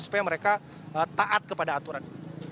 supaya mereka taat kepada aturan